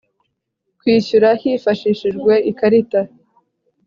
kwishyura hifashishijwe ikarita.